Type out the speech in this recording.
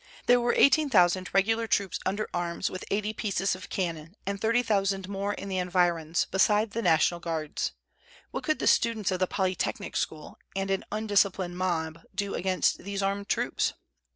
There were eighteen thousand regular troops under arms with eighty pieces of cannon, and thirty thousand more in the environs, besides the National Guards. What could the students of the Polytechnic School and an undisciplined mob do against these armed troops?